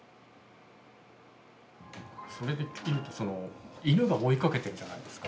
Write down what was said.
それで言うと犬が追いかけてるじゃないですか？